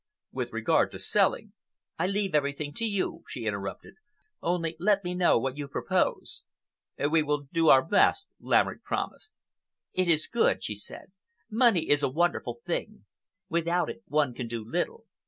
With regard to selling—" "I leave everything to you," she interrupted, "only let me know what you propose." "We will do our best," Laverick promised. "It is good," she said. "Money is a wonderful thing. Without it one can do little.